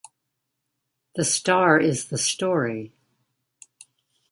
The star is the story.